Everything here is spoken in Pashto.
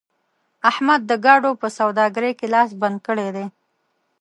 احمد د ګاډو په سوداګرۍ کې لاس بند کړی دی.